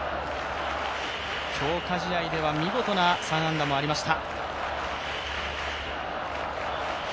強化試合では見事な３安打もありました。